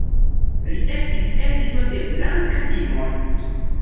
Li estis edzo de Blanka Simon.